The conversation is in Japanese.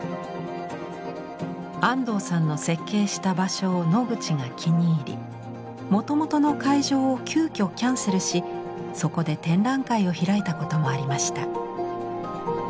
安藤さんの設計した場所をノグチが気に入りもともとの会場を急きょキャンセルしそこで展覧会を開いたこともありました。